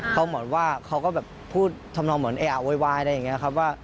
เขาเหมือนว่าเขาก็แบบพูดทำนองเหมือนเออะโวยวายอะไรอย่างนี้ครับว่า